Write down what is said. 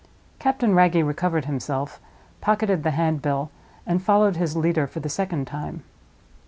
Captain Wragge recovered himself, pocketed the handbill, and followed his leader for the second time.